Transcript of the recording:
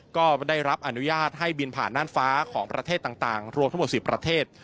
ก็ได้รับอนุญาตให้บินผ่านน่านฟ้าของประเทศต่างรวมทั้งหมด๑๐ประเทศ